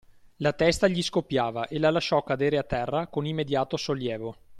La testa gli scoppiava, e la lasciò cadere a terra, con immediato sollievo.